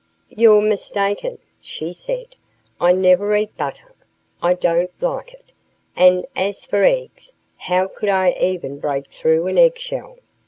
"You're mistaken," she said. "I never eat butter. I don't like it. And as for eggs, how could I ever break through an egg shell?"